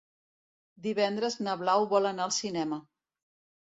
Divendres na Blau vol anar al cinema.